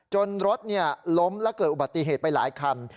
จนรถเนี่ยล้มและเกิดอุบัติเหตุไปหลายคำ